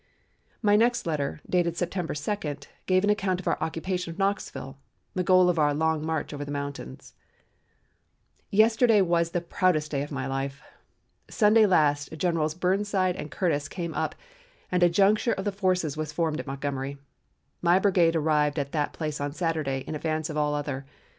My next letter dated September 2, gave an account of our occupation of Knoxville, the goal of our long march over the mountains: "Yesterday was the proudest day of my life. Sunday last Generals Burnside and Curtis came up and a juncture of the forces was formed at Montgomery. My brigade arrived at that place on Saturday in advance of all other.